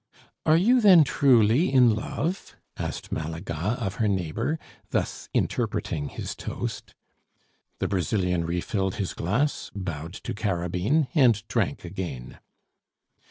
"Are you then truly in love?" asked Malaga of her neighbor, thus interpreting his toast. The Brazilian refilled his glass, bowed to Carabine, and drank again.